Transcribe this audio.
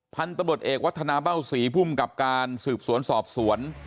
พันธุ์ตำรวจเอกวัฒนาเบ้าศรีภูมิกับการสืบสวนสอบสวน